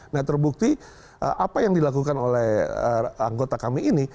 nah terbukti apa yang dilakukan oleh anggota kami ini